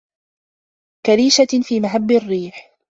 كريشة في مهب الريح